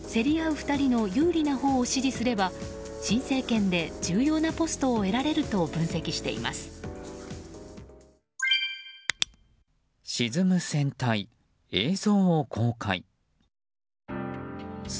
２人の有利なほうを支持すれば新政権で重要なポストを得られると分析しています。